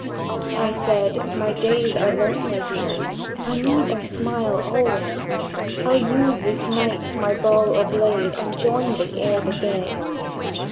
I said: "My days are lonely here; I need thy smile alway: I'll use this night my ball or blade, And join thee ere the day."